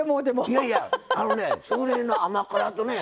いやいやあのねしぐれ煮の甘辛とね